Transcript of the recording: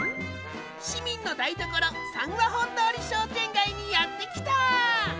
市民の台所三和本通商店街にやって来た！